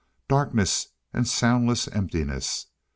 Darkness and soundless emptiness.